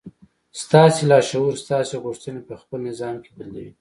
ستاسې لاشعور ستاسې غوښتنې په خپل نظام کې بدلوي.